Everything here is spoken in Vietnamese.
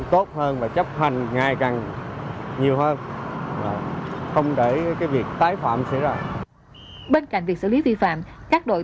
tôi làm đây ba năm bốn năm rồi